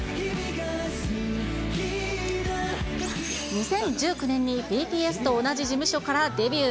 ２０１９年にＢＴＳと同じ事務所からデビュー。